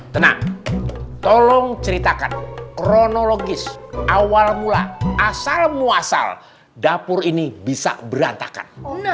tenang tolong ceritakan kronologis awal mula asal muasal dapur ini bisa berantakan